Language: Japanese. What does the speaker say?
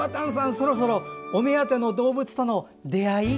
そろそろお目当ての動物との出会い？